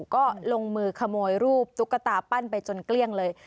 ก็ลงมือขโมยรูปตุ๊กตาปั้นไปจนเกลี้ยงเลย